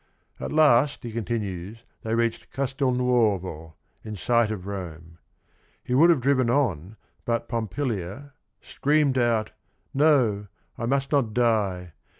At last, he continues, they reached Castelnuovo, in sight of Rome. He would have driven on but Pompilia " screamed out, 'No, I must not die